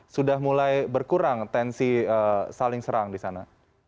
sudah mulai berkurang tensi saling serang di sana